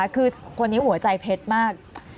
คือคนนี้หัวใจเพชรมาก